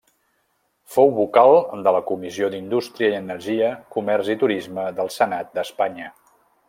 Fou vocal de la Comissió d'Indústria i Energia, Comerç i Turisme del Senat d'Espanya.